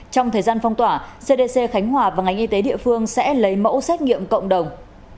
trong thời gian phong tỏa cdc khánh hòa và ngành y tế địa phương sẽ lấy mẫu xét nghiệm cộng đồng